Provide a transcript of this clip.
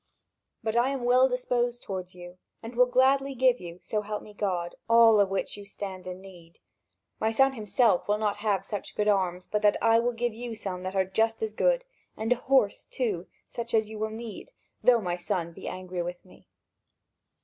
But I am well disposed toward you, and will gladly give you, so help me God, all of which you stand in need. My son himself will not have such good arms but that I will give you some that are just as good, and a horse, too, such as you will need, though my son will be angry with me.